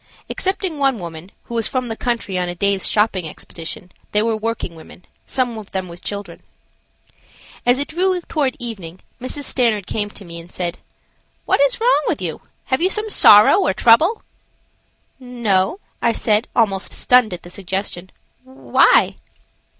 Excepting one woman, who was from the country on a day's shopping expedition, they were working women, some of them with children. As it drew toward evening Mrs. Stanard came to me and said: "What is wrong with you? Have you some sorrow or trouble?" "No," I said, almost stunned at the suggestion. "Why?"